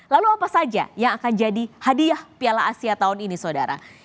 lalu apa saja yang akan jadi hadiah piala asia tahun ini saudara